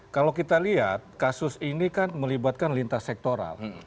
kalau kita lihat kasus ini kan melibatkan lintas sektoral